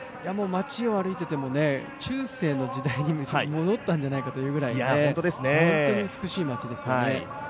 街を歩いていても、中世の時代に戻ったんじゃないかというぐらい本当に美しい街ですよね。